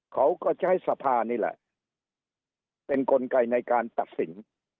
เขาก็ใช้สภานี่แหละเป็นกลไกในการตัดสิน